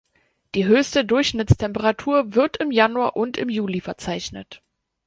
Die höchste Durchschnittstemperatur wird im Januar und im Juli verzeichnet.